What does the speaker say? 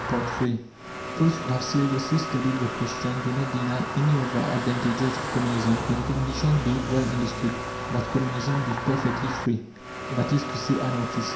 III Those who have seriously studied the question do not deny any of the advantages of Communism, on condition, be it well understood, that Communism be perfectly free, that is to say, Anarchist.